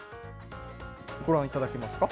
ご覧いただけますか。